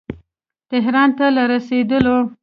تهران ته له رسېدلو.